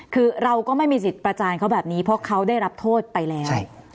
คือเราก็ไม่มีสิทธิ์ประจานเขาแบบนี้เพราะเขาได้รับโทษไปแล้ว